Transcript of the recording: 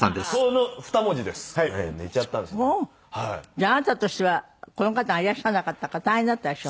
であなたとしてはこの方がいらっしゃらなかったから大変だったでしょ？